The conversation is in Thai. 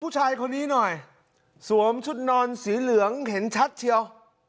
ผู้ชายคนนี้หน่อยสวมชุดนอนสีเหลืองเห็นชัดเชียว